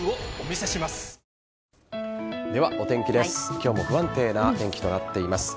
今日も不安定な天気となっています。